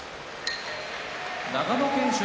長野県出身